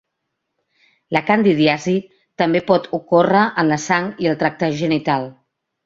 La candidiasi també pot ocórrer en la sang i el tracte genital.